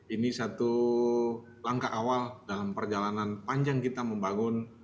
ini satu langkah awal dalam perjalanan panjang kita membangun